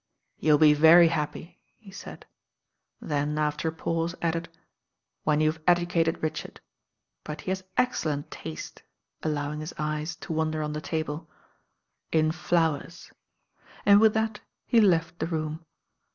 "You'll be very happy," he said. Then after a pause added, "when you've educated Richard; but he has excellent taste," allowing his eyes to wander on the table, "in Bowers," and with that he left the room.